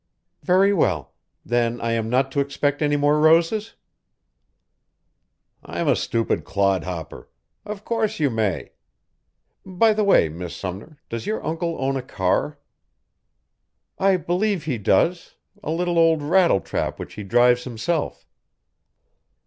"Very well. Then I am not to expect any more roses?" "I'm a stupid clodhopper. Of course you may. By the way, Miss Sumner, does your uncle own a car?" "I believe he does a little old rattletrap which he drives himself."